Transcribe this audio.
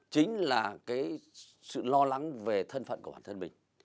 chính là sự lo lắng về thân phận của bản thân mình